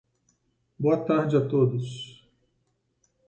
Boa tarde a todos.